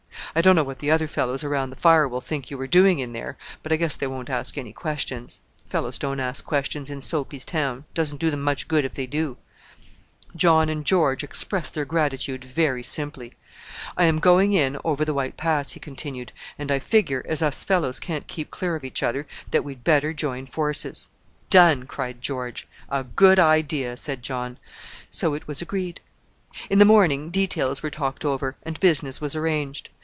I don't know what the other fellows around the fire will think you were doing in there; but I guess they won't ask any questions. Fellows don't ask questions in Soapy's town; it doesn't do them much good if they do." "Skookum House": Chinook Indian term for prison literally "strong" house. John and George expressed their gratitude very simply. "I am going in over the White Pass," he continued, "and I figure, as us fellows can't keep clear of each other, that we'd better join forces." "Done!" cried George. "A good idea!" said John. So it was agreed. In the morning details were talked over, and business was arranged.